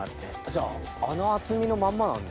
じゃああの厚みのまんまなんですね？